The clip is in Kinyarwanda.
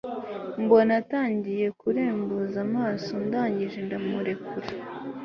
mbona atangiye kurembuzamaso ndangije ndamurekura